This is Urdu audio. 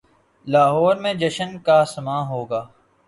لاہور میں جشن کا سماں ہو گا۔